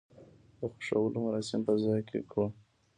د خښولو مراسم په ځاى کړو.